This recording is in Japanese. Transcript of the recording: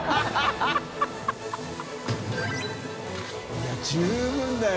い十分だよ